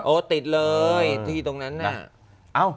ติดเลยที่ตรงนั้นน่ะ